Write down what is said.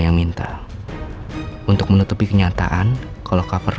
kalau ini madanya apa pun tentu ini tidak akan kembali ke tangani sadar